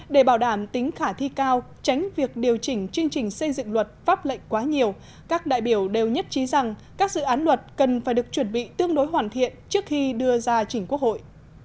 để bảo đảm tính khả thi cao tránh việc điều chỉnh chương trình xây dựng luật pháp lệnh quá nhiều các đại biểu đều nhất trí rằng các dự án luật cần phải được chuẩn bị tương đối hoàn thiện trước khi đưa ra chỉnh quốc hội